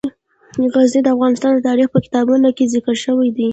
غزني د افغان تاریخ په کتابونو کې ذکر شوی دي.